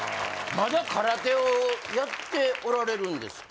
まだ空手をやっておられるんですか？